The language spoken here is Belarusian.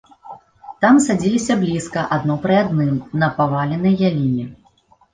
Там садзіліся блізка адно пры адным на паваленай яліне.